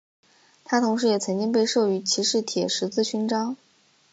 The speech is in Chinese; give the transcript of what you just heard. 他同时也曾经被授予骑士铁十字勋章。